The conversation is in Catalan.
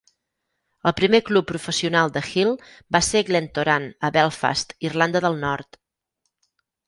El primer club professional de Hill va ser Glentoran, a Belfast, Irlanda del Nord.